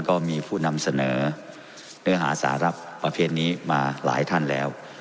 ก็มีผู้นำเสนอเนื้อหาสาระประเภทนี้มาหลายท่านแล้ว